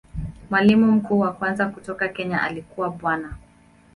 Mwalimu mkuu wa kwanza kutoka Kenya alikuwa Bwana.